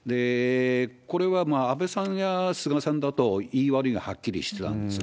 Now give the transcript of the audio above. これは安倍さんや菅さんだと、いい、悪いがはっきりしてたんです。